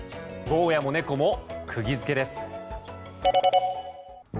坊やも猫もくぎづけです。